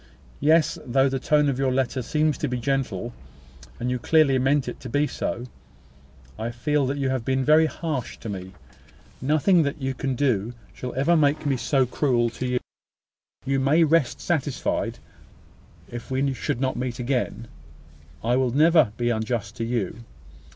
Yes; though the tone of your letter seems to be gentle, and you clearly mean it to be so, I feel that you have been very harsh to me. Nothing that you can do shall ever make me so cruel to you. You may rest satisfied that, if we should not meet again, I will never be unjust to you.